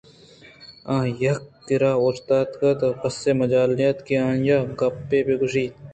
آ یک کِرّا اوشتات ءُکسے ءِ مجال نہ اَت کہ آئی ءَ گپے بہ گوٛشیت